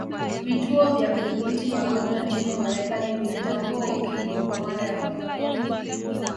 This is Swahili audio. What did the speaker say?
vituo vya Kudhibiti magonjwa nchini marekani vilitambua ukimwi kwa mara ya kwanza